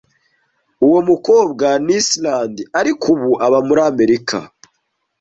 Uwo mukobwa ni Islande, ariko ubu aba muri Amerika.